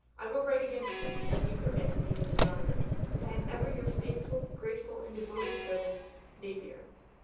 I will write again soon, as you permit and even desire it, and I am ever your faithful, grateful and devoted Servant, NAPIER.